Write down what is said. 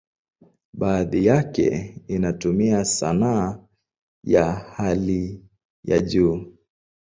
Baadhi yake inatumia sanaa ya hali ya juu.